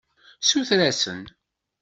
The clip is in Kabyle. Suter-asen.